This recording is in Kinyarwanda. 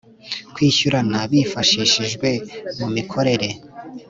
Kwishyurana bifashishijwe mu mikorere